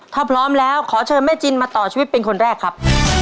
ถ้าพร้อมแล้วขอเชิญแม่จินมาต่อชีวิตเป็นคนแรกครับ